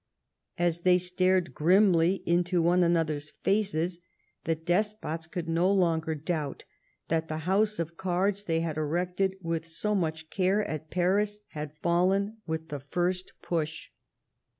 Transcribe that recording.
As they stared grimly into one another's faces the despots could no longer doubt that the house of cards they had erected with so much care at Paris had fallen with tiie first push.